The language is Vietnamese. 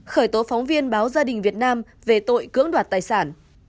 khởi tố phóng viên báo gia đình việt nam về tội cưỡng đoạt tài sản